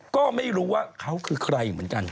ก็ไม่รู้ว่าเขาคือใครเหมือนกัน